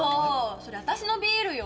それ私のビールよ。